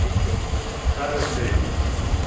سر خیلی